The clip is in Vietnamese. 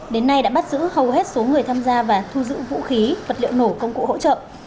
đến nay đã bắt giữ hầu hết số người tham gia và thu giữ vũ khí vật liệu nổ công cụ hỗ trợ